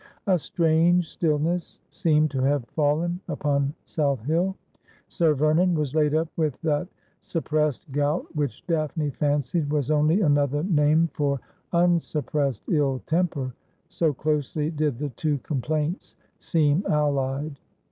A strange stillness seemed to have fallen upon South Hill. Sir Vernon was laid up with that sup pressed gout which Daphne fancied was only another name for unsuppressed ill temper, so closely did the two complaints seem allied.